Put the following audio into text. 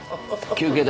休憩だ。